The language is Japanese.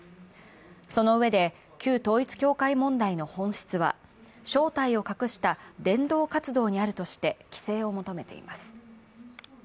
そのうえで、旧統一教会問題の本質は、正体を隠した伝道活動にあるとして規制を求めています。